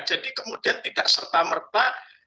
jadi kemudian tidak serta merta